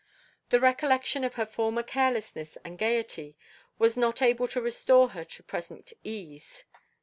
The recollection of her former carelessness and gaiety was not able to restore her to present ease.